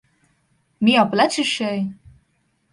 मी आपलाच शिष्य आहे.